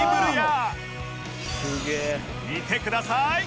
見てください！